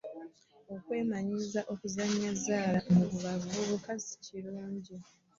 Okwemanyiiza okuzannya zzaala mu bavubuka si kirungi.